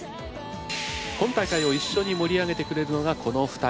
今大会を一緒に盛り上げてくれるのがこの二人。